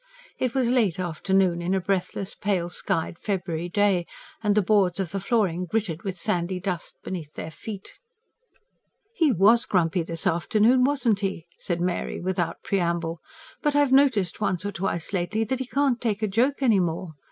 It was late afternoon on a breathless, pale skied February day; and the boards of the flooring gritted with sandy dust beneath their feet. "He WAS grumpy this afternoon, wasn't he?" said Mary, without preamble. "But I've noticed once or twice lately that he can't take a joke any more.